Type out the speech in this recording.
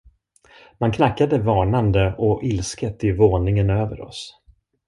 Man knackade varnande och ilsket i våningen över oss.